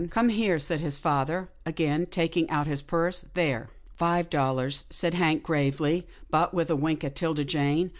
" Come here," said his father, again taking out his purse. " There —"" Five dollars," said Hank, gravely, but with a wink at 'Tilda Jane.